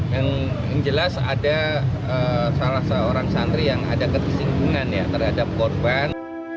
yang jelas ada salah seorang santri yang ada ketersinggungan ya terhadap korban